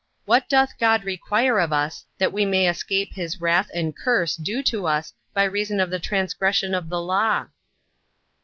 What doth God require of us, that we may escape his wrath and curse due to us by reason of the transgression of the law?